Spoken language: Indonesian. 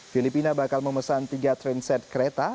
filipina bakal memesan tiga trainset kereta